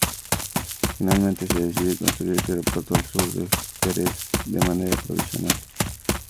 Finalmente se decide construir este aeropuerto al sur de Jerez de manera provisional.